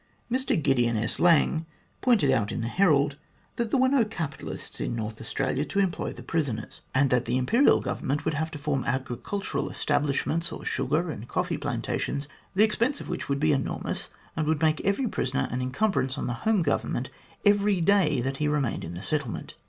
Mr Gideon S. Lang pointed out in the Herald that there were no capitalists in North Australia to employ the prisoners, 46 THE GLADSTONE COLONY and that the Imperial Government would have to form agricultural establishments, or sugar and coffee plantations, the expense of which would be enormous, and would make every prisoner an encumbrance on the home Government every day that he remained in the settlement.